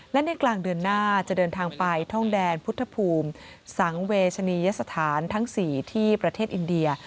และในกลางเดือนหน้าจะเดินทางไปท่องแดนพุทธภูมิสังเวชนียสถานทั้ง๔ที่ประเทศอินเดีย